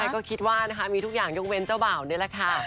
ก็คิดว่านะคะมีทุกอย่างยกเว้นเจ้าบ่าวนี่แหละค่ะ